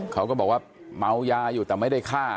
เขาก็บอกว่าเมายาอยู่แต่ไม่ได้ฆ่า